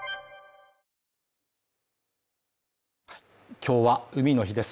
今日は海の日です